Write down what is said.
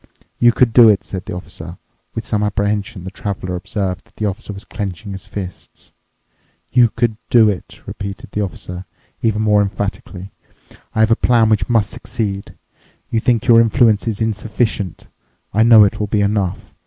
"You could do it," said the Officer. With some apprehension the Traveler observed that the Officer was clenching his fists. "You could do it," repeated the Officer, even more emphatically. "I have a plan which must succeed. You think your influence is insufficient. I know it will be enough.